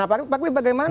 nah pak b bagaimana